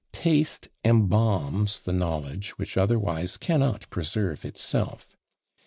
Taste embalms the knowledge which otherwise cannot preserve itself.